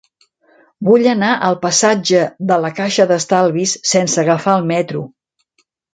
Vull anar al passatge de la Caixa d'Estalvis sense agafar el metro.